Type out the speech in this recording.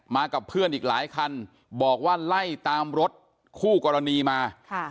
กับเพื่อนอีกหลายคันบอกว่าไล่ตามรถคู่กรณีมา